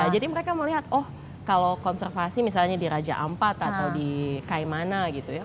jadi mereka melihat oh kalau konservasi misalnya di raja ampat atau di kaimana gitu ya